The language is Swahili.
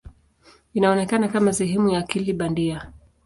Inaonekana kama sehemu ya akili bandia.